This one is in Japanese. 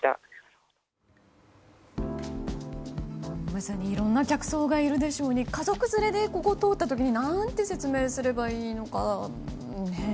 まさにいろんな客層がいるでしょうに家族連れでここを通った時に何て説明すればいいのかなって。